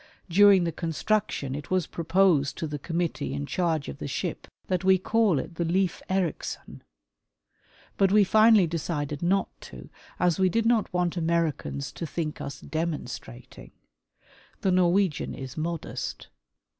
During the construction it was pro posed to the committee in charge of the ship that we call it the Leif Erickson, but we finally decided not to, as we did not want Americans to think us demonstrating ; the Norwegian is modest.